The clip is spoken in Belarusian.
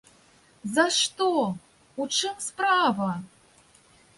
За што, у чым справа?